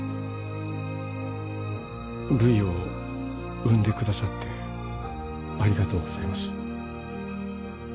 るいを産んでくださってありがとうございます。